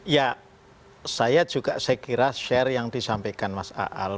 ya saya juga saya kira share yang disampaikan mas aal